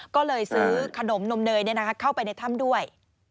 ก็เลยซื้อขนมนมเนยเข้าไปในถ้ำด้วย